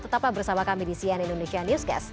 tetaplah bersama kami di sian indonesian newscast